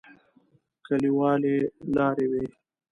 کليوالي لارې وې.